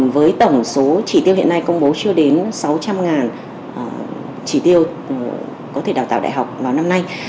với tổng số chỉ tiêu hiện nay công bố chưa đến sáu trăm linh chỉ tiêu có thể đào tạo đại học vào năm nay